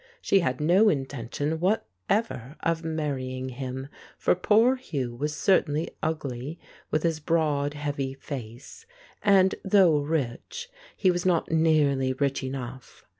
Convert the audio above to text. She had no intention whatever of marry ing him, for poor Hugh was certainly ugly, with his broad, heavy face, and though rich, he was not nearly rich enough.